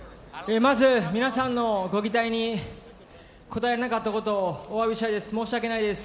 皆さんのご期待に応えられなかったことをおわびしたいです。